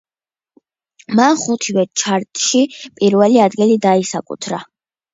მან ხუთივე ჩარტში პირველი ადგილი დაისაკუთრა.